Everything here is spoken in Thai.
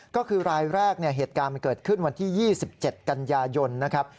ก็คือรายแรกเหตุการณ์มันเกิดขึ้นวันที่๒๗กันยายนนะครับ